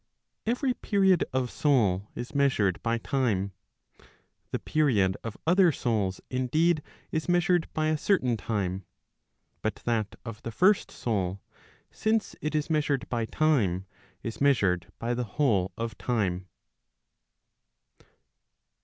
Every period of soul is measured by time. The period of other souls indeed is measured by a certain time; but that of the first soul, since it is measured by time, is measured by the whole of time.